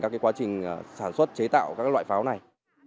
các quá trình sản xuất chế tạo các loại pháo này